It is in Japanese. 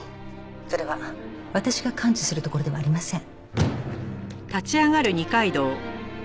それは私が関知するところではありません。